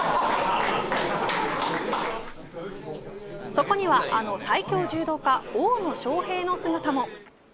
そこには、あの最強柔道家大野将平の姿も。